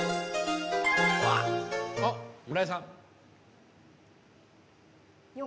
あ村井さん。